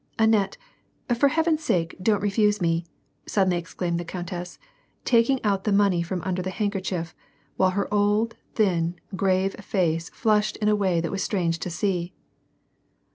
" Annette, for heaven's sake, don't refuse me," suddenly exclaimed the countess, taking out the money from under the handkerchief, while her old, thin, grave face flushed in a way that was strange to see.